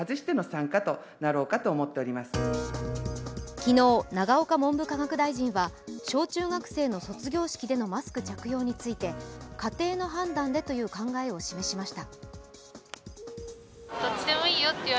昨日、永岡文科大臣は小中学生の卒業式でのマスク着用について、家庭の判断でという考えを示しました。